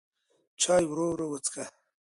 چای ورو ورو وڅښه.